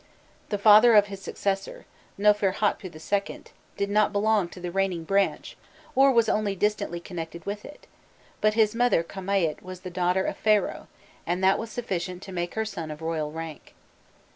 The father of his successor, Nofirhotpû IL, did not belong to the reigning branch, or was only distantly connected with it, but his mother Kamâît was the daughter of Pharaoh, and that was sufficient to make her son of royal rank.